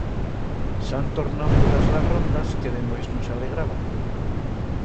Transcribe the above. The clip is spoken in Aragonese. S'han tornau mudas las rondas que de nueits nos alegraban.